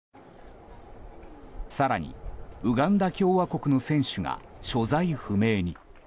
更に、ウガンダ共和国の選手が所在不明に。